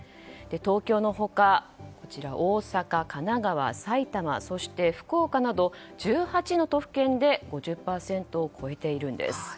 東京の他、大阪、神奈川、埼玉そして福岡など、１８の都府県で５０％を超えているんです。